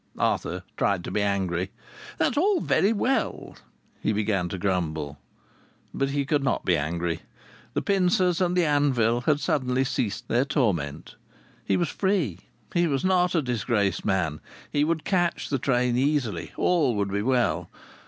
Arthur tried to be angry. "That's all very well " he began to grumble. But he could not be angry. The pincers and the anvil had suddenly ceased their torment. He was free. He was not a disgraced man. He would catch the train easily. All would be well.